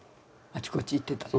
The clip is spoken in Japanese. あちこち行ってた。